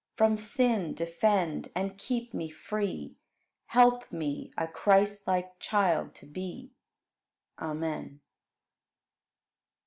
From sin defend and keep me free; Help me a Christlike child to be. Amen.